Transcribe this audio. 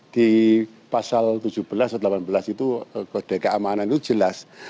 di pasal tujuh belas atau delapan belas itu kode keamanan itu jelas